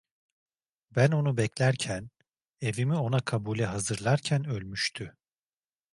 Ben onu beklerken, evimi ona kabule hazırlarken ölmüştü.